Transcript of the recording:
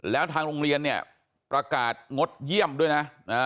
แล้วทางโรงเรียนเนี่ยประกาศงดเยี่ยมด้วยนะ